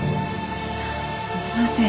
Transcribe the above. すみません。